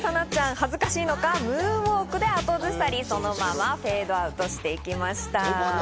恥ずかしいのか、ムーンウオークで後ずさり、そのままフェードアウトしていきました。